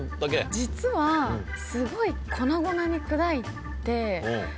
実はすごい粉々に砕いて。